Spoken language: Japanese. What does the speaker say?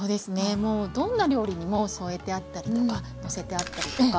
もうどんな料理にも添えてあったりとかのせてあったりとか。